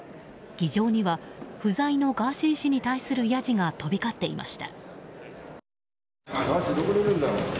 議場には不在のガーシー氏に対するやじが飛び交っていました。